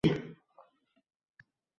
Ibn Sino kitob yozar.